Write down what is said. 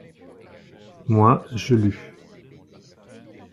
Moi, je lus.